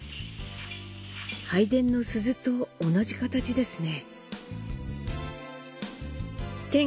拝殿の鈴と同じ形ですね。